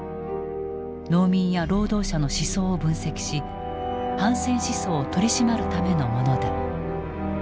農民や労働者の思想を分析し反戦思想を取り締まるためのものだ。